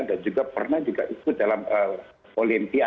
dan juga pernah ikut dalam olimpikasi